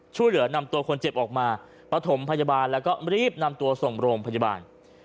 ช่วยเหลือนำตัวคนเจ็บออกมาประถมพยาบาลแล้วก็รีบนำตัวส่งโรงพยาบาล